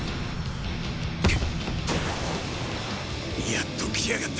やっと来やがった